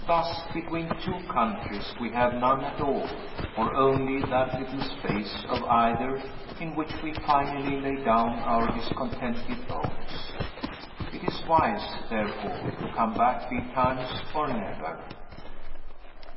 Thus, between two countries, we have none at all, or only that little space of either in which we finally lay down our discontented bones. It is wise, therefore, to come back betimes, or never.